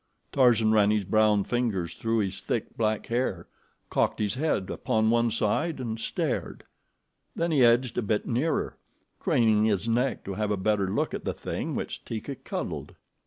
Tarzan ran his brown fingers through his thick, black hair, cocked his head upon one side, and stared. Then he edged a bit nearer, craning his neck to have a better look at the thing which Teeka cuddled.